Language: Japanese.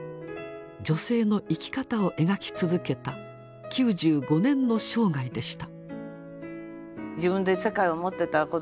女性の生き方を描き続けた９５年の生涯でした。